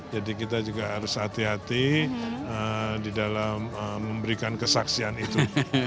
jadi kita juga harus hati hati di dalam memberikan kesaksian itu